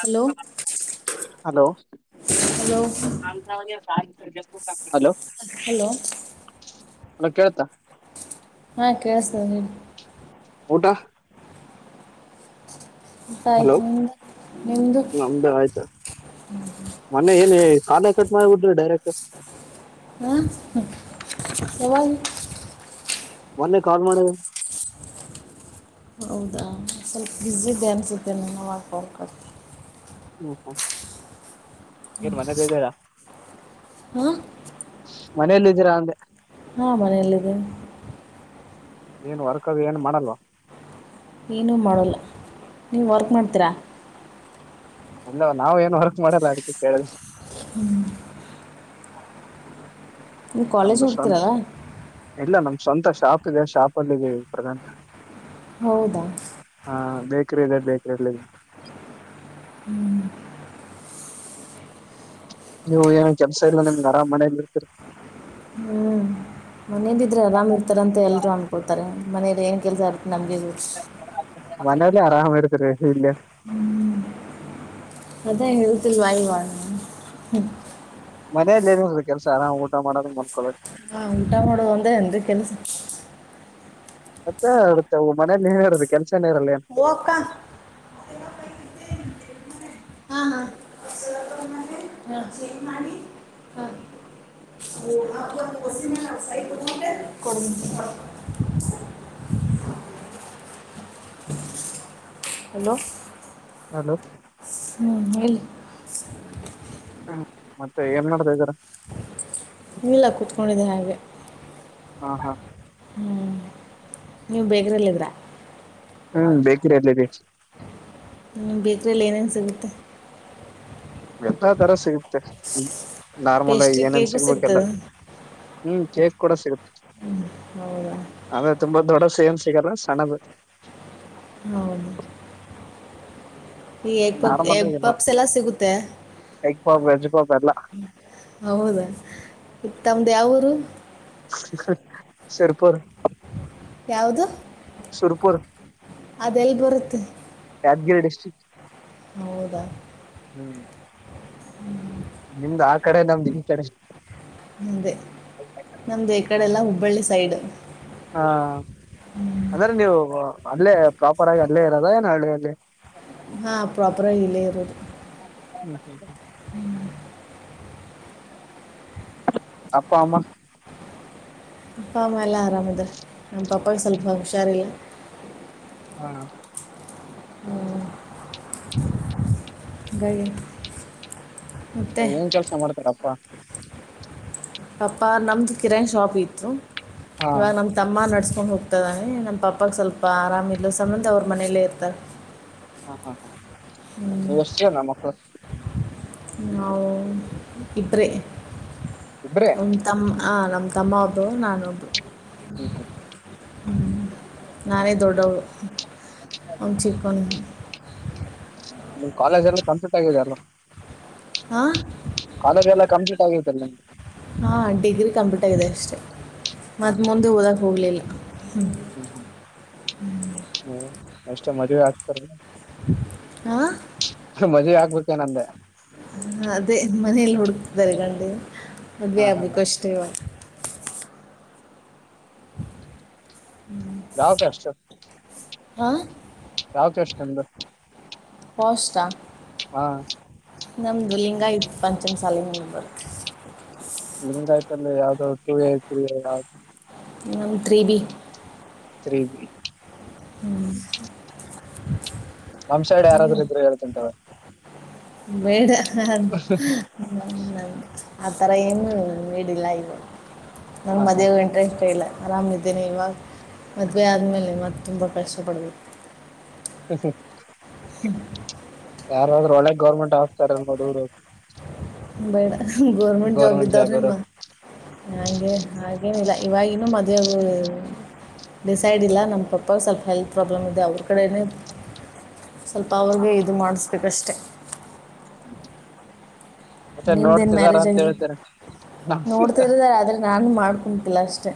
Hello hello hello hello [inaudible] hello ಕೇಳ್ತಾ. ಹಾ ಕೇಳ್ಸ್ತಾದೆ ಹೇಳಿ. ಊಟಾ. ಊಟ ಹಲೋ ಆಯ್ತು ನಿಮ್ದು ನಿಮ್ದು ನಮ್ದ್ ಆಯ್ತು ಮೊನ್ನೇ ಏ ಕಾಲ ಕಟ್ ಮಾಡ್ಬಿಟ್ರಿ ಡೈರೆಕ್ಟ್. ಹಾ ಯಾವಾಗ ಮೊನ್ನೆ ಕಾಲ್ ಮಾಡಿದೆ. ಹೌದಾ ಸ್ವಲ್ಪ ಬ್ಯುಸಿ ಇದ್ದೆ ಅನ್ಸುತ್ತೆ ನಾನು ಅವಾಗ್ ನೋಡ್ಕೊಂಡಿಲ್ಲ ಹ್ಮ್ ಹ್ಮ್ ಎನ್ ಮನೆಲ್ ಇದ್ದಿರಾ ಹಾ ಮನೇಲ್ ಇದ್ದೀರಾ ಅಂದೆ ಹಾ ಮನೆಯಲ್ಲಿದಿನಿ ಏನ್ ವರ್ಕ್ ಅದು ಏನ್ ಮಾಡಲ್ವಾ ಏನುೂ ಮಾಡಲ್ಲ ನೀವು ವರ್ಕ್ ಮಾಡ್ತೀರಾ ಇಲ್ಲ ನಾವ್ ಏನ್ ವರ್ಕ್ ಮಾಡಲ್ಲ ಅದಕ್ಕೆ ಕೇಳಿದ್ರಿ ಹ್ಮ ನೀವು ಕಾಲೇಜ್ ನಮ್ದು ಸ್ವಂತ ಹೋಗ್ತೀರಲ್ಲ ಇಲ್ಲ ನಮ್ದ್ ಸ್ವಂತ ಶಾಪ್ ಇದೆ ಶಾಪ್ ಅಲ್ಲಿೀವಿ ಪ್ರಧಾಂತ್ ಹೌದಾ ಹಾ ಬೇಕ್ರಿ ಇದೆ ಬೇಕ್ರಿ ಅಲ್ ಹ್ಮ್ ನೀವು ಏನ ಕೆಲಸ ಇಲ್ಲ ನಿಮಗೆ ಆರಾಮ್ ಮನೆಲ್ ಇರ್ತೀರಿ ಹ್ಮ್ ಮನೇಲಿದ್ರೆ ಆರಾಮ್ ಇರ್ತಾರ ಅಂತ ಎಲ್ಲರು ಅನ್ಕೊಳ್ತಾರೆ ಮನೆಲ್ ಏನ್ ಕೆಲಸ ಇರುತ್ತೆ ನಮ್ಗೆ ಗೊತ್ತು ಮನೆಯಲ್ಲಿ ಆರಾಮ ಇರ್ತರಿ ಇಲ್ಲಯ ಅೇ ಹೇಳ್ತಿಲ್ವ ವಾಯುವಣ [unintelligible] ಮನೇೆಯಲ್ಲಿೇ ಏನ್ ಇರುತ್ ರಿ ಕೆಲ್ಸ ಆರಾಮ್ ಊಟ ಮಾಡದ ಮಲ್ಕೊಳದು ಹಾ ಊಟಾ ಮಾಡೋುದು ಒಂದ ಏನ್ರಿ ಕೆಲ್ಸ ಮತ್ತೆ ಏನ್ ಇರಿತವು ಮನೇಲಿ ಏನ್ ಇರುತ್ತೆ ಕೆಲ್ಸನ ಇರಲ್ಲ ವಕ್ಕ ಹಾ ಹಾ ರರ್ಜ ಮಾಡಿ ಹ [unintelligible] ಸ ಬ [unintelligible] ಕೊಡುಂ ಹಲೋ ಹಲೋ ಹ್ಮ ಹೇಳಿ ಮತ್ತೆ ಏನ್ ಮಾಡತ ಇದಿರಾ ಏನ್ ಇಲ್ಲ ಕುೂತ್ಕೊಂಡಿದೆೆ ಹಾಗೆ ಹಾ ಹಾ ನೀವ್ ಬೇಕ್ರಿಲ್ಲಿದ್ರಾ ಹ್ಮ್ ಬೇಕ್ರಿ ಅಲ್ಲಿದಿನಿ ನಿಮ್ಮ ಬೇಕ್ರಿಯಲ್ಲಿ ಏನೇನು ಸಿಗುತ್ತೆ ಎಲ್ಲಾ ತರ ಸಿಗುತ್ತೆ ನಾರ್ಮಲ್ ಆಗಿ ಪೇಸ್ಟ್ರಿ ಏನೇನ್ ಕೇಕು ಸಿಗ್ಬೇಕೆಲ್ಲ ಸಿಗ್ತದೆ ಹ್ಮ್ ಕೇಕ್ ಕೂಡ ಸಿಗುತ್ತೆ ಹೌದಾ ಅದೇ ತುಂಬಾ ದೊಡ್ಡ ಸೇನ್ ಸಿಗಲ್ಲ ಸಣ್ಣದ ಹೌದ ಈ ಎಗ್ ಪಕ್ ನಾರ್ಮಲ್ ಎಗ್ ಇಲ್ಲ ಪಪ್ಸ್ ಎಲ್ಲ ಸಿಗುತ್ತೆ. ಎಗ್ ಪಪ್ ವೆಜ್ ಪಪ್ ಎಲ್ಲ. ಹೌದ ತಮ್ದ ಯಾವರು. ಸಿರ್ಪುರ್. ಯಾವದು. ಸುರಪುರ್ ಅದೆಲ್ ಬರತ್ತೆ. ಯಾದ್ಗಿರೀ ಡಿಸ್ಟ್ರಿಕ್. [inaudible] ಹ್ಮ. ನಿಮ್ದ ಆ ಕಡೆ ನಮ್ದ ಈ ಕಡೆ ಮುಂದೆ ನಮ್ದ ಈ ಕಡೆ ಎಲ್ಲಾ ಹುಬ್ಬಳ್ಳಿ ಸೈಡ್. ಹಾ ಅಂದ್ರೆ ನೀವು ಅಲ್ಲೇ ಪ್ರಾಪರ್ ಆಗಿ ಅಲ್ಲೇ ಇರೋದ ಏನ ಹಳ್ಳಿ ಅಲ್ಲಿ ಹಾಂ ಪ್ರಾಪರಾಗಿ ಇಲ್ಲೇ ಇರೋದು. ಹ್ ಅಪ್ಪ ಅಮ್ಮ. ಅಪ್ಪ ಅಮ್ಮ ಎಲ್ಲ ಆರಾಮಿದ್ರ ನಮ್ಮ ಪಪಾಗ ಸ್ವಲ್ಪ ಹುಷಾರಿಲ್ಲ. ಹಾ ಹ್ಮ್, ಹಾಂಗಾಗಿ ಏನ್ ಕೆಲ್ಸ ಮಾಡ್ತಾರಪ್ಪಾ. ಪಪ್ಪ ನಮದು ಕಿರಣ್ ಶಾಪ್ ಇತ್ತು ಹಾ ಇವಾಗ ನಮ್ಮ್ದ ತಮ್ಮ ನಡ್ಸ್ಕೊಂಡ ಹೋಗ್ತದಾನೆ ನಮ್ಮ ಪಪ್ಪಾಗ ಸ್ವಲ್ಪ ಆರಾಮಲ್ಲ ಸಂಬಂದ ಅವ್ರ ಮನೆಯಲ್ಲೇ ಇರ್ತಾರ. ಹಾ ಹಾ ಹಾ ಹ್ಮ್, ನೀ ಅಷ್ಟೇನ ಮಕ್ಕಳು. ನಾವು ಇಬ್ಬರೇ ಇಬ್ರೇ ತಮ್ಮ ಅ ನಮ್ಮ ತಮ್ಮ ಒಬ್ಬ ನಾನೊಬ್ಬ. [unintelligible] ನಾನೇ ದೊಡ್ಡವಳು ಅವ್ನ ಚಿಕ್ಕನ ನಿಮ್ ಕಾಲೇಜ್ ಎಲ್ಲ ಕಂಪ್ಲೀಟ್ ಆಗಿದೆ ಅಲ್ಲ. ಹಾ ಕಾಲೇಜ ಎಲ್ಲ ಕಂಪ್ಲೀಟ್ ಆಗೈತಿಲ್ಲ. ಹಾ ಡಿಗ್ರಿ ಕಂಪ್ಲೀಟ್ ಆಗಿದೆ ಅಷ್ಟೆ ಹಾ ಮತ್ತ ಹಾ ಮುಂದೆ ಓದಕ್ ಹೋಗ್ಲಿಲ್ಲ ಹ್ಮ್ ಹ್ಮ್ ಹ್ಮ್ ಅಷ್ಟೇ ಮದ್ವೆ ಆಗ್ತಾರ. ಹಾಂ ಮದ್ವೆ ಆಗ್ಬೇಕಾ ಅನಾ ಅಂದೆ. ಅದೇ ಮನೇಲಿ ಹುಡುಕ್ತಾರೆ ಗಂಡು ಮದ್ವೆ ಹಾ ಹಾ ಆಗ್ಬೇಕು ಅಷ್ಟೇ ಇವಗ ಯಾವ ಕಾಷ್ಟ ಹಾಂ ಯಾವ ಕಾಸ್ಟ್ ನಿಮ್ದು ಪೋಷ್ಟ ಹಾ ನಮ್ದು ಲಿಂಗಯತ್ ಪಂಚಮಸಾಲಲ್ ಬರುತ್ತ. ನಿಮ ಆಯ್ತಲ್ಲ ಯಾವ್ದ ಟೂ ಎ ತ್ರೀ ಎ ನಮ್ ತ್ರೀ ಬಿ ತ್ರಿ ಬಿ ನಮ್ ಸೈಡ್ ನೀವು ಯಾರಾದ್ರ ಇದ್ರೆ ಹೇಳ್ತಿನಿ ತುಗೋ ಬೇಡ ಹಾ ಹಾ... ಹ್ಮ್. ಹ್ಮ....... ಆತರಾ ಏನು ನಿಡ್ ಇಲ್ಲಾ ಈಗ. ನನಗ ಹಾ ಹಾ ಮದವೆ ಇಂಟ್ರೆಸ್ಟ್ ಇಲ್ಲ. ಆರಾಮಿದ್ದೇನನೆ ಇವಾಗ ಮದುವೆ ಆದಮೇಲೆ ಮತ್ತು ತುಂಬ ಕಷ್ಟಪಡಬೇಕು. ಅಸ [inaudible] ಯಾರಾದ್ರರು ಒಳ್ಳೆಗ್ ಗೌರ್ಮೆಂಟ್ ಆಫಸ್ತರ್ ನೋಡರು. ಬೇಡ ಗೋರ್ಮೆಂಟ್ ಜಾಬ್ ಗೌರ್ಮೆಂಟ್ ಇದ್ದಾವ ನಿಮ್ಮ. ಇರೋ ನಂಗೆ ಹಾಗೇನಿಲ್ಲ ಇವವಾಗಿನ್ನುೂ ಮದ್ವೆಗ ಡಿಸೈಡ್ ಇಲ್ಲ ನಮ್ಮ ಪಪ್ಪಾಗ ಸ್ವಲ್ಪ ಹೆಲ್ತ್ ಪ್ರಾಬ್ಲಮ್ ಇದೆ ಅವ್ರ ಕಡೇನೆ. ಸ್ವಲ್ಪ ಅವ್ರಗೆ ಇದು ಮಾಡಿಸಬೇಕಷ್ಟೆ. ಹ್ಮ್ ನಿಮ್ದೇನ್ ಮ್ಯಾರೇಜ್ ಆಗಿಲ್ಲ ಹೇಳ್ತಾರೆ ನೋಡ್ತಿರಾರೆ ಆದ್ರೆ ನಾನು ಮಾಡ್ಕೊಂತಲ್ಲ ಅಷ್ಟೆ.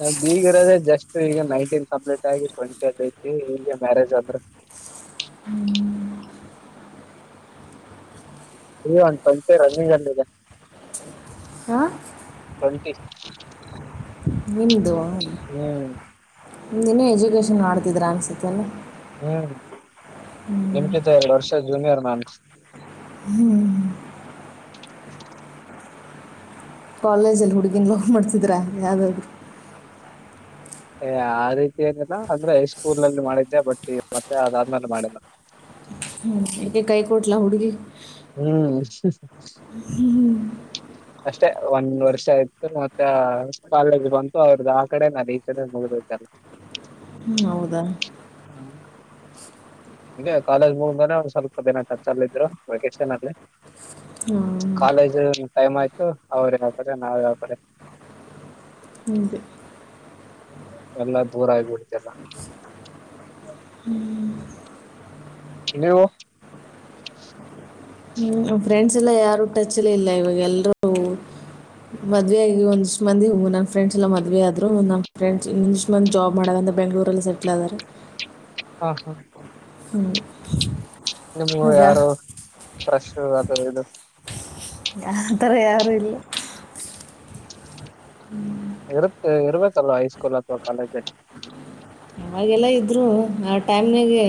ನಮ್ಮಈಗಿರ ಜಸ್ಟ್ ಈಗ ನೈನ್ಟೀನ್ ಕಂಪ್ಲೀಟ್ ಆಗಿ ಟ್ವೆಂಟಿ ಐತಿ ಇಲ್ಲಿ ಮ್ಯಾರೇಜ್ ಅಂದ್ರೆ. ಹ್ಮ್ ಇ ಒ ಸಂಚೆ ರಜನಿ ಜನ್ [inaudible] ಹಾಂ ಟ್ವಂಟಿ. ನಿಂದು. ಹ್ಮ್ ನಿನು ಎಜುಕೇಶನ್ ಮಾಡ್ತಿದ್ರ ಅನ್ಸತ್ತಲ್ಲ. ಹ್ಮ್ ನಿಮಕಿಂತ ಎರಡು ವರ್ಷ ಜೂನಿಯರ್ ನಾನು. ಹ್ಮ್ ಕಾಲೇಜಲ್ಲಿ ಹುಡುಗಿನ್ ಲವ್ ಮಾಡ್ತಿದ್ರಾ ಯಾವುದಾದ್ರರು. ಏ ಆ ರೀತಿ ಏನಿಲ್ಲ ಅಂದ್ರೆ ಹೈಸ್ಕೂಲನಲ್ಲಿ ಮಾಡಿದ್ದೆ ಬಟ್ ಮತ್ತೆ ಅದಾದ್ಮೇಲೆ ಮಾಡಿಲ್ಲ. ಯಾಕೆ ಕೈ ಕೊಟ್ಲ ಹುಡುಗಿ. ಹ್ಮ್ ಹ್ಮ್ ಹ್ಮ ಅಷ್ಟೇ ಒಂದ್ ವರ್ಷ ಆಯ್ತು ಮತ್ತೆ.... ಕಾಲೇಜ್ ಬಂತು ಅವ್ರದ ಆ ಕಡೆ ನದಿ ಈಚನೇ ಮುಗಿದತೆಲ್ಲ. ಹೌದಾ ಹ ಹಗೆ ಕಾಲೇಜ್ ಮುಗದ್ ಒಂದ್ ಸ್ವಲ್ಪ ದಿನ ಟಚ್ಲ್ಲಿದ್ರು ವೆಕೇಶನ್ ಅಲ್ಲಿ. ಹ್ಞೂ ಕಾಲೇಜ್ ಟೈಮ್ ಆಯ್ತು ಅವ್ರಿಗೆ ಯಪ್ರ ನಾವ್ ಯಕ್ರ [inaudible] ಹೀಗೆ ಎಲ್ಲಾ ದೂರ ಆಗ್ಬಿಡ್ತಲ್ಲ. ಹ್ಮ್ ನೀವು ಹ್ಮ್ ಫ್ರೆಂಡ್ಸ್ ಎಲ್ಲ ಯಾರು ಟಚ್ಲ್ಲ ಇಲ್ಲ ಇವಾಗ ಎಲ್ರೂ. ಮದ್ವೆ ಆಗ ಒಂದಿಷ್ಟ ಮಂದಿ ಹ ಫ್ರೆಂಡ್ಸ್ ಎಲ್ಲ ಮದ್ವೆ ಆದರು ನಮ್ಮ್ ಫ್ರೆಂಡ್ಸ್ ಇಂದಷ್ಟ ಮಂದಿ ಜಾಬ್ ಮಾಡಾಗಂದ ಬೆಂಗಳೂರಲ್ಲಿ ಸ. ಲವರ್. ಹಾ ಹಾ ಹ್ಮ್.... ನಿಮ್ಗ ಆಗ ಯಾರು ಕ್ರಸ್ ಅದು ಇದು. ಯ ಅಂತವ ಯಾರೂ ಇಲ್ಲ. ಹ್ಮ್ ಇರುತ್ತೆ ಇರ್ಬೇಕೇಲ್ವಾ ಹೈಸ್ಕೂಲ್ ಅಥವಾ ಕಾಲೇಜ್ಜ. ಅವಾಗೆಲ್ಲ ಇದ್ರು ಆ ಟೈಮ್ ನ್ಯಾಗೆ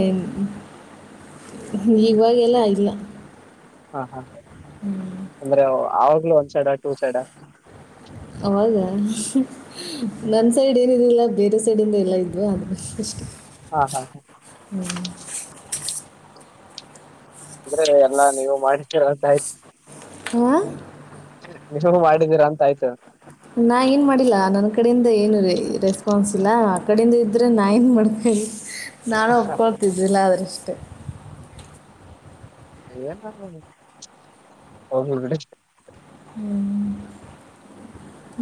ಹ್ಮ ಇವಾಗೆಲ್ಲ ಇಲ್ಲ ಹಾ ಹಾ. ಹ್ಮ್. ಅಂದ್ರೆ ಅವಾಗ್ಲೂ ಒನ್ ಸೈಡ್ ಟೂ ಸೈಡಾ ಅವಾಗಾ ನನ್ ಸೈಡ್ ಏನಿದಿಲ್ಲ ಬೇರೆ ಸೈಡಿಂದ್ ಎಲ್ಲ ಇದ್ವು ಅದಕ್ ಅಷ್ಟೇ. ಆತ್ ಆತ್ ತಾ [unintelligible] ಹ್ಮ್. ಅಂದ್ರೆ ಎಲ್ಲಾ ನೀವು ಮಾಡಿದಿರಾ ಅಂತ ಆಯ್ತು ಹಾ ನೀಜ್ವಾಗ್ಲೂ ಮಾಡಿದ್ದೀರಾ ಅಂತ ಆಯ್ತು ನಾ ಏನು ಮಾಡಿಲ್ಲ ನನ್ನ ಕಡೆಯಿಂದ ಏನು ರೆ ರೆಸ್ಪಾನ್ಸ್ ಇಲ್ಲ ಆ ಕಡೆಯಿಂದ ಇದ್ದರೆ ನಾ ಏನ್ ಮಾಡ್ಬೇಕ್ ಹೆಳಿ ನಾನು ಒಪ್ಕೊಳ್ತಿದ್ದಿಲ್ಲಾ ಅದ್ರಷ್ಟೇ ಏನನ್ನು [unintelligible] ಹೋಗ್ಲಿ ಬಿಡಿ.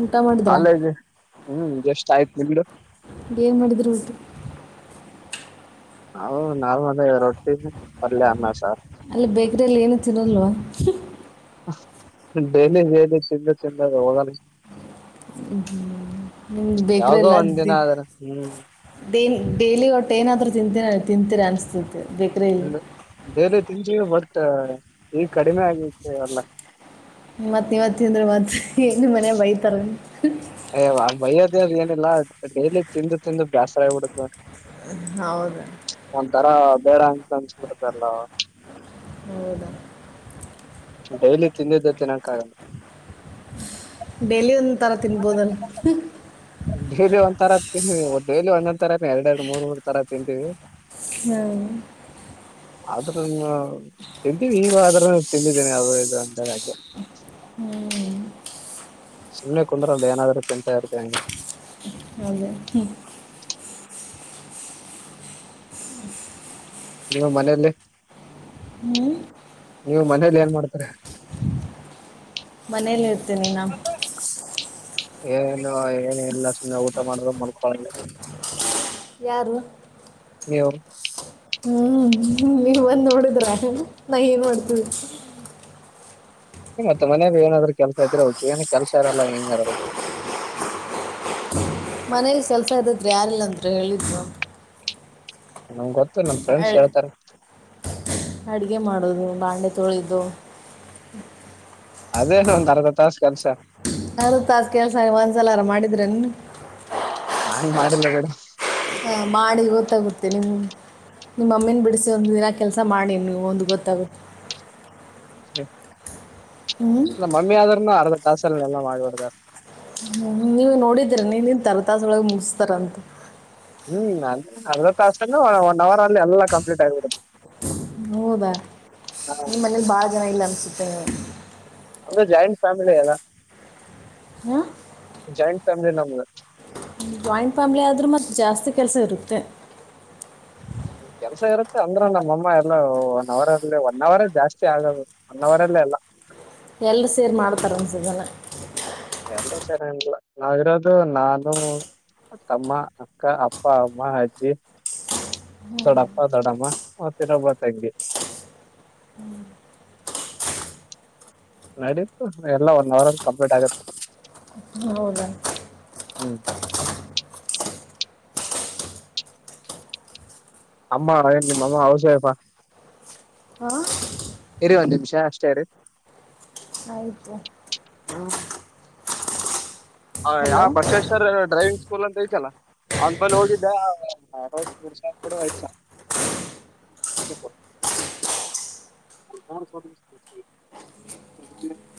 ಊಟ ಮಾಡಿದ್ರಾ ಕಾಲೇಜ್ [unintelligible] ಹ್ಮ್ ಜಸ್ಟ್ ಆಯ್ತ್ ನಿಮ್ದು ಏನ್ ಮಾಡಿದ್ರಿ ಉಟಕ್ ನಾವು ನಾವ ಅದ ರೊಟ್ಟಿ ದ ಪಲ್ಯ ಅನ್ನಾ ಸಾರ್. ಅಲ್ಲಿ ಬೇಕ್ರಲ್ಲಿ ಏನು ತಿನ್ನೋಲ್ವಾ ಹಾ ಡೈಲಿ ಡೈಲಿ ತಿಂದು ತಿಂದದೆ ಹೋಗಲ್ಲ ಹ್ಮ್ ನಿಮ್ದ ಬೇಕ್ರೀ ಯಾವಾಗೋ ಎಲ್ಲ ಒಂದ್ ದಿನ ಆದ್ರ ಹ್ಮ್ ಡೇ ಡೇಲಿ ಒಟ್ಟು ಏನಾದ್ರೂ ತಿಂತೀರಾ ತಿಂತೀರಾ ಅನ್ಸತೆತಿ ಇಲ್ಲ ಬರೆ ತಿಂತೀವಿ ಬಟ್ ಈ ಕಡಿಮೆ ಆಗತಿ ಅಲ್ಲ ಮತ್ತ ಇವತ್ತಿಂದ್ರ ಮತ್ ಎಲ್ಲಿ ಮನ್ಯಾಗ್ ಬೈತಾರ ಅಂತ್ ಹೆಯ್ ಎವ್ವಾ ಬೈಯೋದ ಅದ್ ಏನಿಲ್ಲ ಡೈಲಿ ತಿಂದು ತಿಂದು ಬ್ಯಾಸ್ರಾಗಿಬಿಡುತ್ತ ಹೌದ ಒಂತರಾ ಬೇಡಾ ಅಂತ ಅನ್ಸಿಬಿಡತ್ ಲ್ಲ [inaudible] ಹೌದಾ ಡೈಲಿ ತಿಂದಿದ್ದೆ ತಿನ್ನಾಕ್ಕಾಗಲ್ಲ ಡೇಲಿ ಒಂದೊಂದಥರಾ ತಿನ್ಬೋದಲ್ಲಾ ಡೈಲಿ ಒಂತರಾ ತಿನ್ ಡೈಲಿ ಒಂದೊಂದ್ ತರಾನೆ ಎರಡ್ ಎರಡು ಮೂರ್ ಮೂರ್ ತರಾ ತಿನ್ಂತಿವಿ ಹಾ ಆದ್ರೂನೂ ತಿಂತಿವಿ ಈಗ ಆದ್ರ ತಿಂದಿದ್ದೇನೆ ಅವ ಇದು ಅಂತೆಳಿ [unintelligible] ಹ್ಮ್. ಸುಮ್ಮನೆ ಕುಂದ್ರಲ್ದ ಏನಾದ್ರೂ ತಿಂತಾ ಇರ್ತವಿ ಹಂಗೆ ಹೌದಾ ಹ್ಮ ನಿವ್ ಮನೇಲ್ಲಿ ಹ್ಮೂ ನೀವು ಮನೇಲಿ ಏನ್ ಮಾಡ್ತಿರಾ [inaudible] ಮನೇಲಿ ಇರ್ತೇನಿ ನಾ ಏನು ಏನ ಎಲ್ಲ ಸುಮ್ಮ್ನೆ ಊಟ ಮಾಡ್ದೋ ಮಲ್ಕೊಳೊದು ಯಾರು ನೀವು ಹ್ಮ್ ನೀವ್ ಬಂದ್ ನೋಡಿದ್ರ ನಾ ಏನ್ ಮಾಡ್ಡ್ತನಿ ಹು ಮತ್ತ ಮನಾಗ ಏನಾದ್ರು ಕೆಲಸ ಇದ್ರೆ ಓಕೆ ಏನ್ ಕೆಸ ಇರಲ್ಲ ಏನಿರಲ್ಲಾ ಮನೇಲಿ ಕೆಲಸ ಇದಿದ್ರೆ ಯಾರಿಲ್ಲ ಅಂದರು ಹೇಳಿದ್ರು. ನಂಗ್ ಗೊತ್ತು ನಮ್ ಫ್ರೆಂಡ್ಸ್ ಹೇಳ್ತಾರೆ. ಅಡುಗೆ ಮಾಡೋದು ಬಾಂಡ್ಲೇ ತೊಳೆಯದು. ಅದೇನು ಒಂದ್ ಅರ್ಧ ತಾಸ್ ಕೆಲ್ಸ. ಅರ್ದ್ ತಾಸ್ ಕೆಲ್ಸ ನೀ ಒಂದ್ಸಲರ ಮಾಡಿದ್ರೇನ್ ನೀನು. ನಾನ ಮಾಡಾರಿಲ್ಲ ಕಡೆ. ಹ ಮಾಡಿ ಗೊತ್ತಾಗುತ್ತೆ ನಿಮ್ ನಿಮ್ ಮಮ್ಮಿನ್ ಬಿಡಿಸಿ ಒಂದ್ ದಿನ ಕೆಲಸ ಮಾಡಿ ನೀವು ಒಂದು ಗೊತ್ತಾಗುತ್ತೆ. ಹ್ಮ ಹ್ಮ್ ನಮ್ಮ ಮಮ್ಮಿ ಆದ್ರನು ಅರ್ಧ ತಾಸಲ್ಲೆಲ್ಲಾ ಮಾಡ್ಬಿಡ್ತಾರೆ. ಹ್ಮ್ ನೀವ ನೋಡಿದ್ರೇರಿ ನೀನ್ ತರತಾಸ ಒಳಗೆ ಮುಗಿಸ್ತಾರಂತ. ಹ್ಮ್ ಅ ಅರ್ಧ ತಾಸಾನ ಒನ್ ಅವರ್ ಅಲ್ಲಿ ಎಲ್ಲ ಕಂಪ್ಲೀಟ್ ಆಗಿಬಿಡುದು. ಹೌದಾ ಹ ನಿನ್ ಮನೇಲಿ ಬಾಳ ಜನ ಇಲ್ಲ ಅನ್ಸುತ್ತೆ. ಅಂದ್ರೇ ಜಾಯಿಂಟ್ ಫ್ಯಾಮಿಲಿ ಎಲ್ಲಾ ಹಾಂ, ಜಾಯಿಂಟ್ ಫ್ಯಾಮಿಲಿ ನಮ್ದು. ಜಾಯಿಂಟ್ ಫ್ಯಾಮ್ಲಿ ಆದರೂ ಮತ್ತ್ ಜಾಸ್ತಿ ಕೆಲಸ ಇರುತ್ತೆ. ಕೆಲ್ಸ ಇರುತ್ತೆ ಅಂದ್ರ ನಮ್ಮಮ್ಮ ಎಲ್ಲ ಒನ್ ಅವರ್ ಅಲ್ಲಿ ಒನ್ ಅವರ್ರೇ ಜಾಸ್ತಿ ಆಗದು. ಒನ್ ಹವರ್ ಅಲ್ಲೇ ಎಲ್ಲಾ. ಎಲ್ಲರು ಸೇರಿ ಮಾಡ್ತಾರನ್ಸುತಲ್ಲ. ಎಲ್ರು ಸೇರೆನಿಲ್ಲ ನಾವಿರೋದು ನಾನು. ತಮ್ಮ ಅಕ್ಕ ಅಪ್ಪ ಅಮ್ಮ ಅಜ್ಜಿ. ದೊಡ್ಡಪ್ಪ ದೊಡ್ಡಮ್ಮ ಮತ್ತಿನೊಬ್ಬ ತಂಗಿ. ಹ್ಮ್ ನಡೀತು ಎಲ್ಲ ಒನ್ ಅವರ್ಲ್ಲಿ ಕಂಪ್ಲೀಟ್ ಆಗತ್. ಹೌದಾ ಹ್ಮ್ ಅಮ್ಮ ಏನ್ ನಿಮ್ಮ ಅಮ್ಮ ಹೌಸ್ ವೈಫಾ. ಹಾಂ ಇರಿ ಒಂದ್ ನಿಮಿಷ ಅಷ್ಟೇ ಇರೀ ಆಯಿತು ಹು. ಹ ಯಾ ಹಲೋ ಬಸವೇಶ್ವರ ಡ್ರೈವಿಂಗ್ ಸ್ಕೂಲ್ ಅಂತ ಐತಲ್ಲಾ. ಅವನ್ ಬಲ್ ಹೋಗಿದ್ದೆ [unintelligible] [unintelligible]